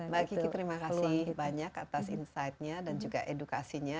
mbak kiki terima kasih banyak atas insightnya dan juga edukasinya